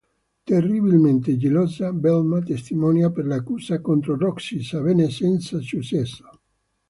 Terribilmente gelosa, Velma testimonia per l'accusa contro Roxie, sebbene senza successo.